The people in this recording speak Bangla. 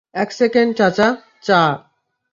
এক সেকেন্ড, চাচা, চা।